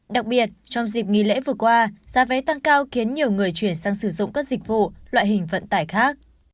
đặc biệt trong dịp nghỉ lễ vừa qua giá vé tăng cao khiến nhiều người chuyển sang sử dụng các dịch vụ loại hình vận tải khác